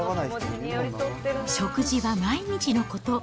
食事は毎日のこと。